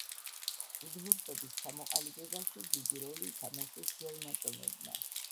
უდმურტების ჩამოყალიბებაში დიდი როლი ითამაშეს ძველმა ტომებმა.